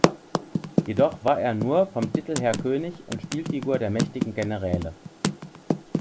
Jedoch war er nur vom Titel her König und Spielfigur der mächtigen Generäle.